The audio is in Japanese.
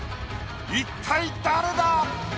一体誰だ